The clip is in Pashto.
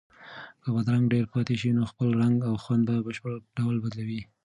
که بادرنګ ډېر پاتې شي نو خپل رنګ او خوند په بشپړ ډول بدلوي.